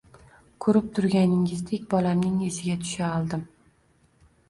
Ko`rib turganingizdek, bolamning iziga tusha oldim